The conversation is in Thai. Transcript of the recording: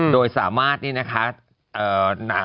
โดยสามารถนี่นะคะ